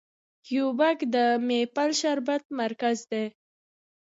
کیوبیک د میپل شربت مرکز دی.